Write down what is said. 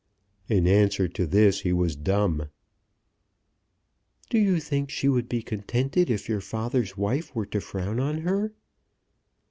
In answer to this he was dumb. "Do you think she would be contented if your father's wife were to frown on her?"